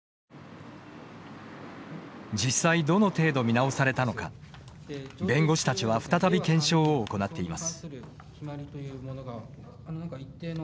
実際、どの程度見直されたのか弁護士たちは再び検証を行っています。